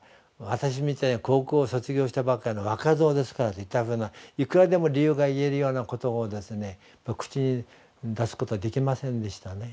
私みたいな高校卒業したばかりの若造ですから」といったふうないくらでも理由が言えるようなことを口に出すことはできませんでしたね。